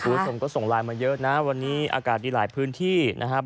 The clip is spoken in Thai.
คุณผู้ชมก็ส่งไลน์มาเยอะนะวันนี้อากาศดีหลายพื้นที่นะครับ